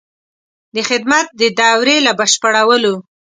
د خدمت د دورې له بشپړولو.